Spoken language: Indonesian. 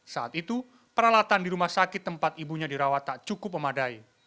saat itu peralatan di rumah sakit tempat ibunya dirawat tak cukup memadai